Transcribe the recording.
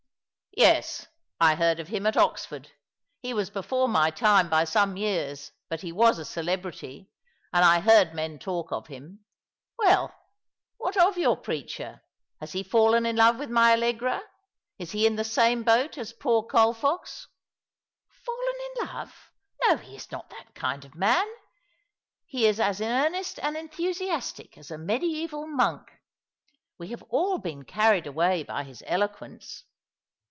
" Yes, I heard of him at Oxford. He was before my time by some years ; but he was a celebrity, and I heard men talk of him. Well, what of your preacher ? Has he fallen in love with my Allegra — is he in the same boat as poor Colfox ?"" Fallen in love I No, he is not that kind of man. He is as earnest and enthusiastic as a mediaeval monk. We have all been carried away by his eloquence.